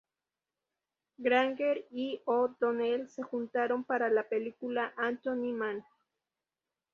Granger y O'Donnell se juntaron para la película "Anthony Mann".